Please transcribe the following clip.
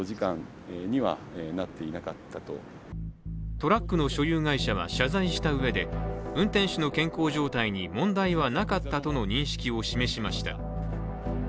トラックの所有会社は謝罪したうえで、運転手の健康状態に問題はなかったとの認識を示しました。